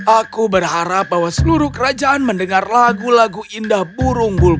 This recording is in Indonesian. aku berharap bahwa seluruh kerajaan mendengar lagu lagu indah burung bull